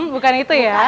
bukan itu ya